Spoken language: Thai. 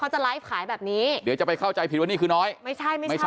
จะไลฟ์ขายแบบนี้เดี๋ยวจะไปเข้าใจผิดว่านี่คือน้อยไม่ใช่ไม่ใช่